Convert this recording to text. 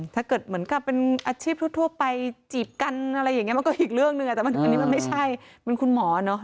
ถ้าเกิดเหมือนกับเป็นอาชีพทั่วไปจีบกันอะไรอย่างนี้มันก็อีกเรื่องหนึ่งแต่มันอันนี้มันไม่ใช่เป็นคุณหมอเนอะ